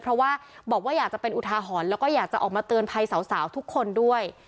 เพราะว่าบอกว่าอยากจะเป็นอุทาหรณ์แล้วก็อยากจะออกมาเตือนภัยสาวทุกคนด้วย